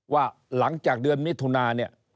ว่าหลังจากเดือนมิถุนาเนี่ย